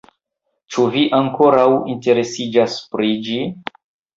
Ĉu vi ankoraŭ interesiĝas pri ĝi?